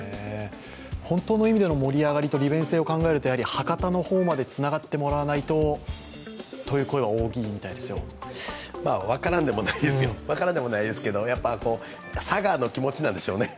本当の意味での盛り上がりと利便性を考えると博多の方までつながってもらわないと、という声は多いみたいですよ分からんでもないですけど、やっぱ佐賀の気持ちなんでしょうね。